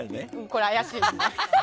これは怪しいですね。